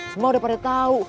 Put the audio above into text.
semua udah pada tahu